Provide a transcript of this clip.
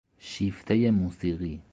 شیفتهی موسیقی